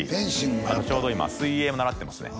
あとちょうど今水泳も習ってますね